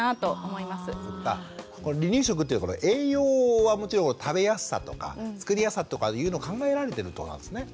離乳食というのは栄養はもちろん食べやすさとか作りやすさとかいうのを考えられてるってことなんですね。